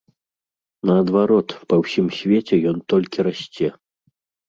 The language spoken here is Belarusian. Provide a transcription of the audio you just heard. Наадварот, па ўсім свеце ён толькі расце.